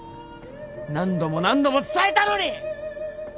何度も何度も伝えたのに！！